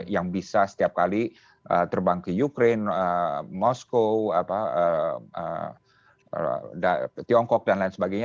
yang bisa setiap kali terbang ke ukraine moskow tiongkok dan lain sebagainya